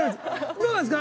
どうなんですか？